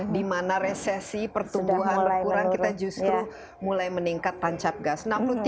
di mana resesi pertumbuhan kurang kita justru mulai meningkat tancap gas